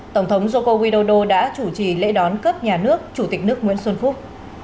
tổng thống joko widodo đã chủ trì lễ đón cấp nhà nước chủ tịch nước nguyễn xuân phúc